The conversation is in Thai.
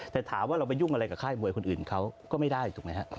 แต่ถามว่าเราไปยุ่งอะไรกับค่ายมวยคนอื่นเขาก็ไม่ได้ถูกไหมฮะ